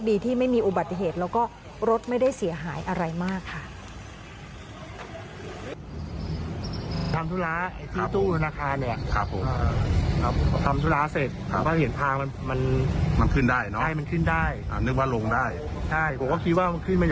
ดีที่ไม่มีอุบัติเหตุแล้วก็รถไม่ได้เสียหายอะไรมากค่ะ